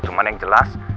cuman yang jelas